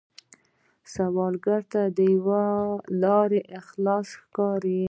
سوالګر ته یوه لاره خلاصون ښکاري